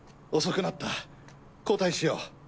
遅くなった交代しよう。